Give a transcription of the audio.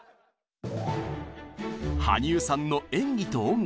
羽生さんの「演技」と「音楽」。